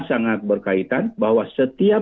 sangat berkaitan bahwa setiap